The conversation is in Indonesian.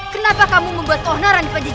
kenapa kamu membuat toh naranjepajit